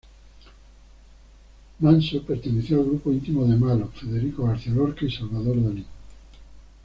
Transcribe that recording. Manso perteneció al grupo íntimo de Mallo, Federico García Lorca y Salvador Dalí.